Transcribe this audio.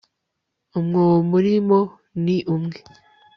umwobo muri mo ni umwe